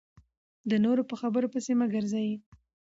د نورو په خبرو پسې مه ګرځئ .